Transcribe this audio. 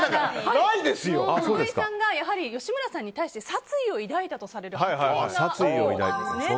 徳井さんがやはり吉村さんに対して殺意を抱いたという発言があるようですね。